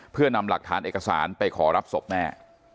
เพื่อนำหลักฐานเอกสารไปขอรับศพแม่